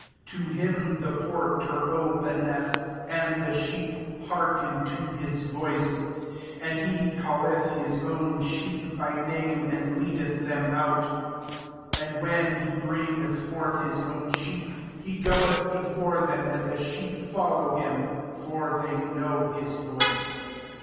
3 To him the por ter openeth ; and the sheep hearken to his voice: and he calleth his own sheep by name, and leadeth them out. 4 [/ind^ 178 JOHN X. when he bringeth forth his own sheep, he goeth before them, and the sheep follow him ; for they know his voice.